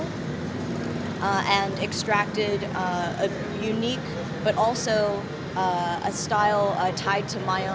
dan mengekstrakkan karya unik tapi juga karya yang terkait dengan kerja saya